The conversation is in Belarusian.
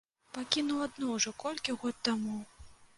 Пакінуў адну ўжо колькі год таму!